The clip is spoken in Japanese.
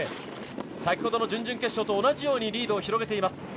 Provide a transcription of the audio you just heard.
先ほどの準々決勝と同じようにリードを広げています。